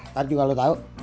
kalian juga tau